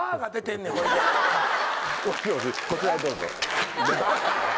こちらへどうぞ。